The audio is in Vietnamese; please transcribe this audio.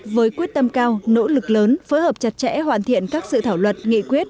với quyết tâm cao nỗ lực lớn phối hợp chặt chẽ hoàn thiện các sự thảo luật nghị quyết